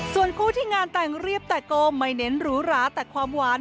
ส่วนคู่ที่งานแต่งเรียบแต่โกไม่เน้นหรูหราแต่ความหวาน